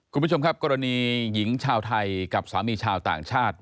คุณผู้ชมครับกรณีหญิงชาวไทยกับสามีชาวต่างชาติ